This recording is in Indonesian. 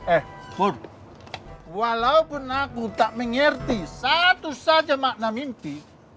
eh pun walaupun aku tak mengerti satu saja makna mimpi